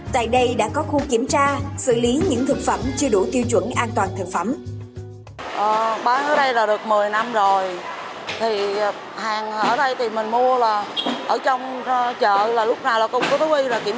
tại đây đã có khu kiểm tra xử lý những thực phẩm chưa đủ tiêu chuẩn an toàn thực phẩm